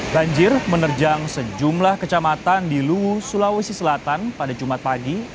banjir menerjang sejumlah kecamatan di luwu sulawesi selatan pada jumat pagi